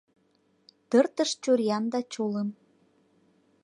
Тыртыш чуриян да чулым